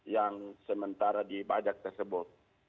yang sementara di bajak tersebut